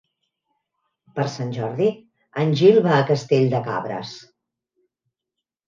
Per Sant Jordi en Gil va a Castell de Cabres.